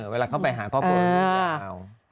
เวลาเข้าไปหาครอบครัวเรา